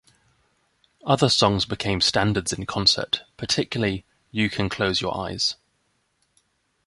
Other songs became standards in concert, particularly "You Can Close Your Eyes".